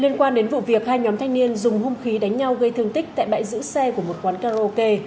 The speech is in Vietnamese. liên quan đến vụ việc hai nhóm thanh niên dùng hung khí đánh nhau gây thương tích tại bãi giữ xe của một quán karaoke